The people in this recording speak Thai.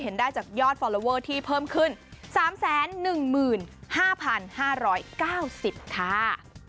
ได้จากยอดฟอลลอเวอร์ที่เพิ่มขึ้น๓๑๕๕๙๐ค่ะ